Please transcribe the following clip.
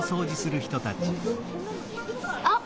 あっ！